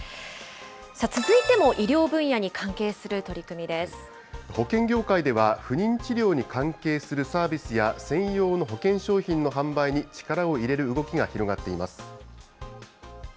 続いても医療分野に関係する取り保険業界では、不妊治療に関係するサービスや、専用の保険商品の販売に力を入れる動きが広がっています。